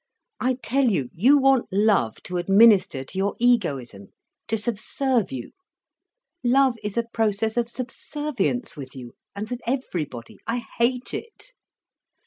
I tell you, you want love to administer to your egoism, to subserve you. Love is a process of subservience with you—and with everybody. I hate it."